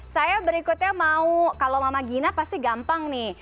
saya berikutnya mau kalau mama gina pasti gampang nih